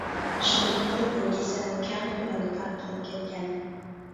شۇنداق قىلىپ بۇ كېسەل كەڭ كۆلەمدە تارقىلىپ كەتكەن.